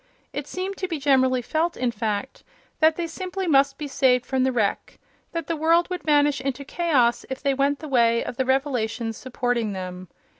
It seemed to be generally felt, in fact, that they simply must be saved from the wreck—that the world would vanish into chaos if they went the way of the revelations supporting them.